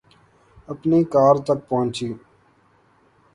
اپنی کار تک پہنچی